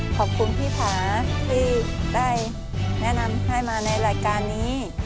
ขอบคุณพี่ผาที่ได้แนะนำให้มาในรายการนี้